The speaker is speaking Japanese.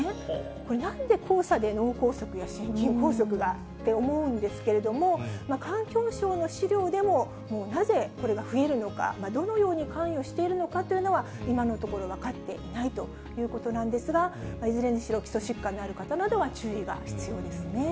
これ、なんで黄砂で脳梗塞や心筋梗塞がって思うんですけれども、環境省の資料でも、なぜこれが増えるのか、どのように関与しているのかというのは、今のところ、分かっていないということなんですが、いずれにしろ基礎疾患のある方などは注意が必要ですね。